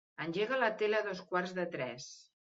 Engega la tele a dos quarts de tres.